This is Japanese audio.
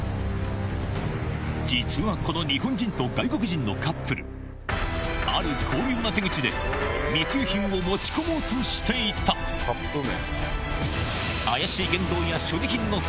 実はこの日本人と外国人のカップルある巧妙な手口で密輸品を持ち込もうとしていたお気に入りね。